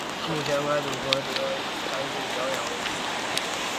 目前该组合主要以舞台剧表演为主。